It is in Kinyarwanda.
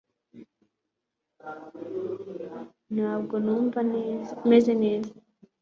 ntabwo numva meze